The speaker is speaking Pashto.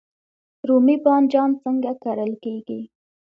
رومی بانجان څنګه کرل کیږي؟